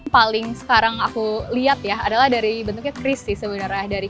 paling sekarang aku lihat ya adalah dari bentuknya krisis sebenarnya dari